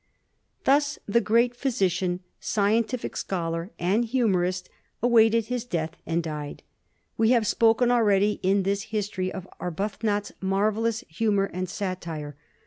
Thus the great physician, scientific schol ar, and humorist awaited his death and died. We have spoken already in this history of Arbuthnot's marvellous humor and satire.